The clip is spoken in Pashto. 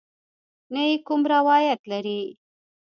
نه یې کوم روایت لرې.